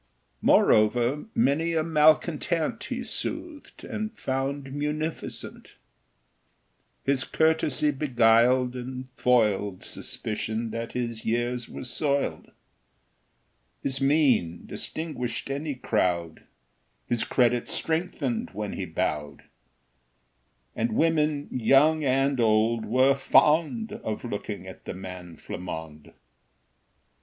Moreover, many a malcontent He soothed and found munificent; His courtesy beguiled and foiled Suspicion that his years were soiled; His mien distinguished any crowd, His credit strengthened when he bowed; And women, young and old, were fond Of looking at the man Flammonde.